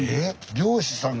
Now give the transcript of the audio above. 漁師さんが。